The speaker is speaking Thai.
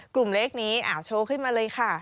กลุ่มเลขนี้โชว์ขึ้นมาเลยค่ะ